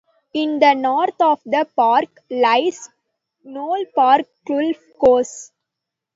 In the north of the park lies Knole Park Golf Course.